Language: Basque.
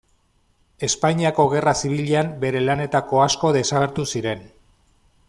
Espainiako Gerra Zibilean bere lanetako asko desagertu ziren.